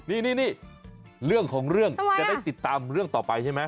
นี่เรื่องของเรื่องจะได้ติดตามเรื่องต่อไปใช่ไหม